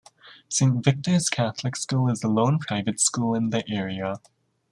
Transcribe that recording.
Saint Victors Catholic School is the lone private school in the area.